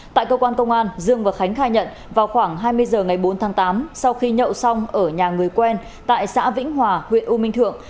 tại cơ quan công an dương và khánh khai nhận vào khoảng hai mươi h ngày bốn tháng tám sau khi nhậu xong ở nhà người quen tại xã vĩnh hòa huyện u minh thượng